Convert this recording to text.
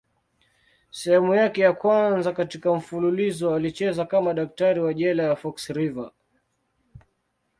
Sehemu yake ya kwanza katika mfululizo alicheza kama daktari wa jela ya Fox River.